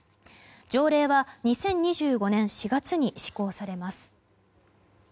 条例は２０２５年４月に施行されます。